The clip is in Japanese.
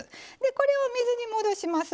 これを水に戻します。